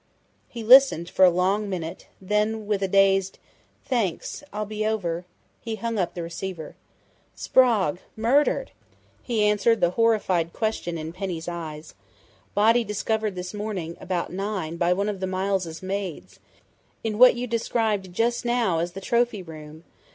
He listened for a long minute, then, with a dazed "Thanks! I'll be over," he hung up the receiver. "Sprague murdered!" he answered the horrified question in Penny's eyes. "Body discovered this morning about nine by one of the Miles' maids, in what you described just now as the 'trophy room'....